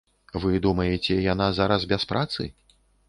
Вы думаеце, яна зараз без працы?